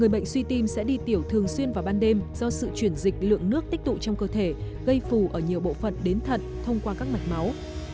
bệnh suy tim sẽ đi tiểu thường xuyên vào ban đêm do sự chuyển dịch lượng nước tích tụ trong cơ thể gây phù ở nhiều bộ phận đến thận thông qua các mạch máu